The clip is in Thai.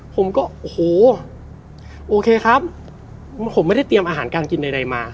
ผมก็โอ้โหโอเคครับผมไม่ได้เตรียมอาหารการกินใดมา